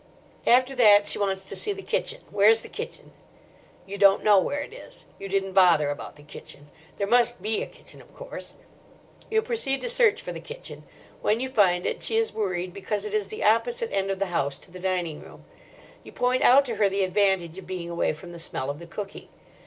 After that she wants to see the kitchen—where's the kitchen? You don't know where it is. You didn't bother about the kitchen. There must be a kitchen, of course. You proceed to search for the kitchen. When you find it she is worried because it is the opposite end of the house to the dining room. You point out to her the advantage of being away from the smell of the cooking.